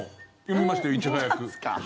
読みましたよ、いち早く。